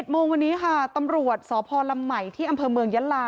โมงวันนี้ค่ะตำรวจสพลำใหม่ที่อำเภอเมืองยะลา